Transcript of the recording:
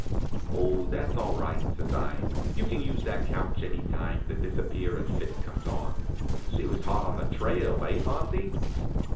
"Oh, that's all right," says I. "You can use that couch any time the disappearin' fit comes on. She was hot on the trail; eh, Monty?"